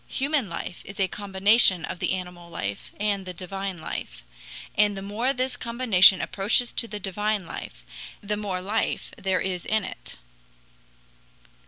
Human life is a combination of the animal life and the divine life. And the more this combination approaches to the divine life, the more life there is in it.